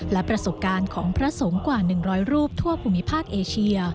และประสบการณ์ของพระสงฆ์กว่า๑๐๐รูปทั่วภูมิภาคเอเชีย